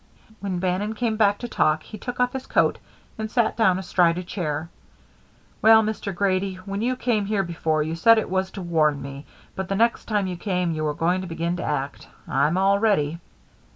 When Bannon came back to talk, he took off his coat and sat down astride a chair. "Well, Mr. Grady, when you came here before you said it was to warn me, but the next time you came you were going to begin to act. I'm all ready."